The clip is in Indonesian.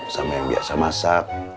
sama yang biasa masak